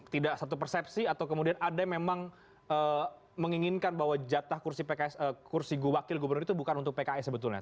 tidak satu persepsi atau kemudian ada yang memang menginginkan bahwa jatah kursi wakil gubernur itu bukan untuk pks sebetulnya